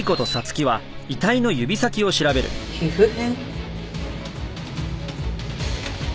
皮膚片？